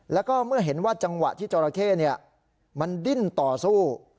แล้วก็เมื่อเห็นว่าจังหวะที่จราเข้มันดิ้นต่อสู้